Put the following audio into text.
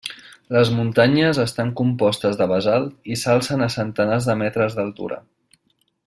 Les muntanyes estan compostes de basalt i s'alcen a centenars de metres d'altura.